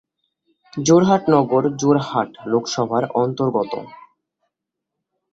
যোরহাট নগর যোরহাট লোকসভার অন্তর্গত।